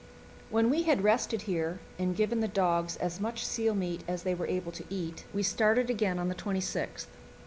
When we had rested here and given the dogs as much seal meat as they were able to eat, we started again on the 26th.